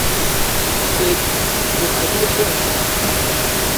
Sed mi alie pensas.